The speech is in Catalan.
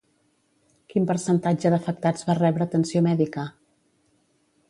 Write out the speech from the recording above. Quin percentatge d'afectats va rebre atenció mèdica?